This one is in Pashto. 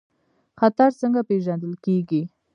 خطر څنګه پیژندل کیږي؟